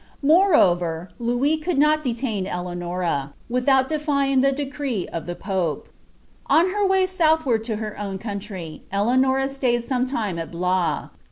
RIoreover, Louis could not detain ElesDon. | without defying the decree of the pope, , On her way southward to her own countrj,' Eleanors stayed »nii» ( time nt Blois.